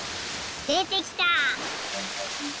でてきた！